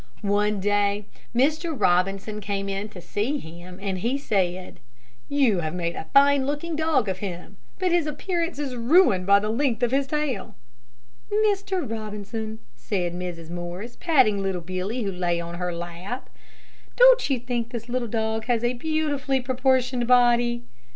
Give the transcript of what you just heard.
One day Mr. Robinson came in to see him, and he said, "You have made a fine looking dog of him, but his appearance is ruined by the length of his tail." "Mr. Robinson," said Mrs. Morris, patting little Billy, who lay on her lap, "don't you think that this little dog has a beautifully proportioned body?"